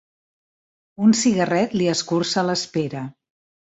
Un cigarret li escurça l'espera.